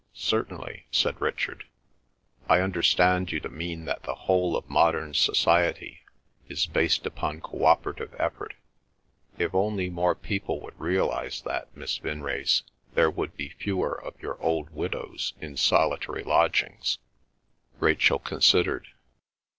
"Certainly," said Richard. "I understand you to mean that the whole of modern society is based upon cooperative effort. If only more people would realise that, Miss Vinrace, there would be fewer of your old widows in solitary lodgings!" Rachel considered.